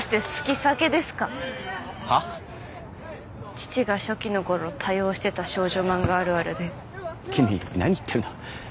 父が初期のころ多用してた少女漫画あるあるで君何言ってんの？